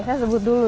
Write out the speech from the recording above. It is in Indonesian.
saya sebut dulu